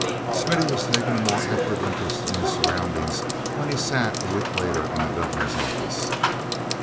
mithy was taking a more active interest in his surroundings when he sat a week later in the Governor's office.